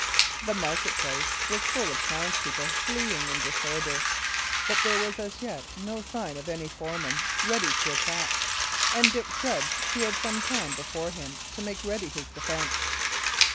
The market place was full of townspeople fleeing in disorder; but there was as yet no sign of any foeman ready to attack, and Dick judged he had some time before him to make ready his defence.